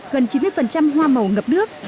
gần chín mươi hoa màu ngập nước